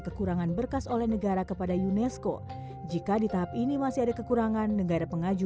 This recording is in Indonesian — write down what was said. kekurangan berkas oleh negara kepada unesco jika di tahap ini masih ada kekurangan negara pengaju